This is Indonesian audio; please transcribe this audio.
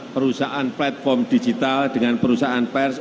perusahaan platform digital dengan perusahaan pers